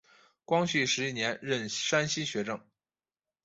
光绪十一年任山西学政。